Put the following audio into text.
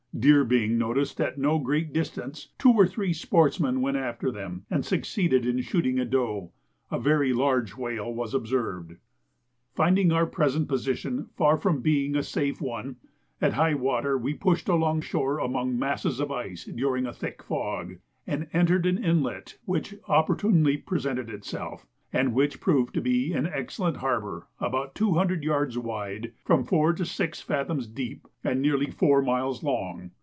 Deer being noticed at no great distance, two or three sportsmen went after them, and succeeded in shooting a doe. A very large whale was observed. Finding our present position far from being a safe one, at high water we pushed along shore among masses of ice during a thick fog, and entered an inlet which opportunely presented itself, and which proved to be an excellent harbour about 200 yards wide, from four to six fathoms deep, and nearly four miles long.